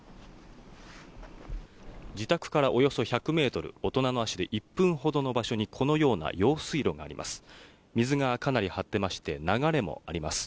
自宅からおよそ１００ｍ大人の足で１分ほどの場所にこのような用水路があります。